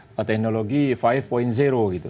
apa teknologi lima gitu